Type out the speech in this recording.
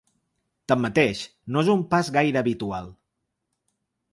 Tanmateix, no és pas gaire habitual.